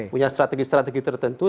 punya strategi strategi tertentu